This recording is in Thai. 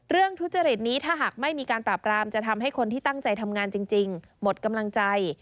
ทุจริตนี้ถ้าหากไม่มีการปราบรามจะทำให้คนที่ตั้งใจทำงานจริงหมดกำลังใจ